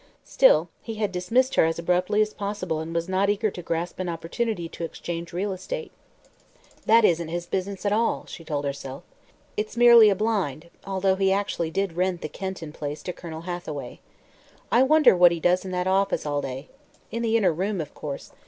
Still, he had dismissed her as abruptly as possible and was not eager to grasp an opportunity to exchange real estate. "That isn't his business at all," she told herself. "It's merely a blind, although he actually did rent the Kenton Place to Colonel Hathaway...I wonder what he does in that office all day. In the inner room, of course.